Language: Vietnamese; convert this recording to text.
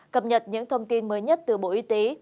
cập nhật những thông tin mới nhất từ bộ y tế